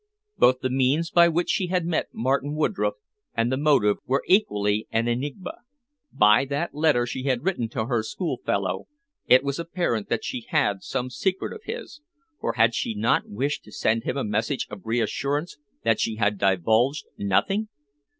Both the means by which she had met Martin Woodroffe and the motive were equally an enigma. By that letter she had written to her schoolfellow it was apparent that she had some secret of his, for had she not wished to send him a message of reassurance that she had divulged nothing?